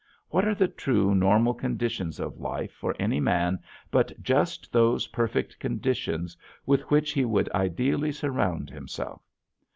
What are the true, normal conditions of life for any man but just those perfect conditions with which he would ideally surround himself.